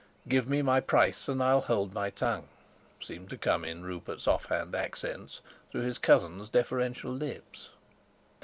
"Give me my price and I'll hold my tongue," seemed to come in Rupert's off hand accents through his cousin's deferential lips.